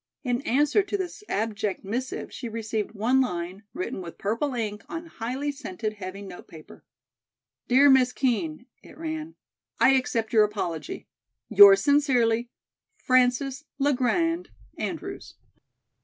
In answer to this abject missive she received one line, written with purple ink on highly scented heavy note paper: "Dear Miss Kean," it ran, "I accept your apology. "Yours sincerely, "FRANCES LE GRAND ANDREWS."